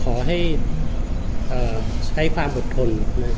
ขอให้ใช้ความอดทน